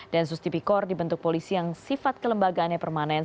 densus tipikor dibentuk polisi yang sifat kelembagaannya permanen